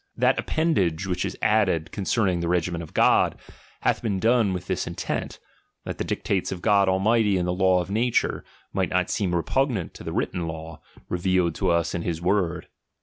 That appendage which is added concerning the regiment of God, hath been done with this intent ; that the dictates of God lAlmighty in the law of nature, might not seem repugnant to the written law, revealed to us in his Word.